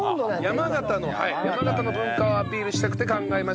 山形の文化をアピールしたくて考えました。